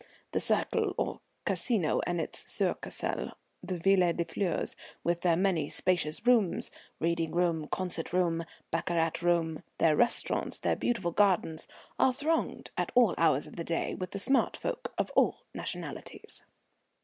The cercle or casino and its succursale the Villa des Fleurs, with their many spacious rooms, reading room, concert room, baccarat room, their restaurants, their beautiful gardens, are thronged at all hours of the day with the smart folk of all nationalities.